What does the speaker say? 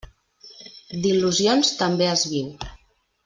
D'il·lusions també es viu.